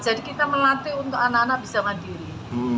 jadi kita melatih untuk anak anak bisa mandiri